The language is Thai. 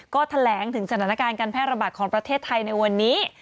ก็แถลงถึงสถานการณ์การแพร่ระบาดของประเทศไทยในวันนี้